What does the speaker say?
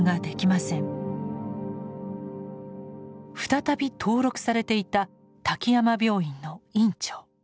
再び登録されていた滝山病院の院長。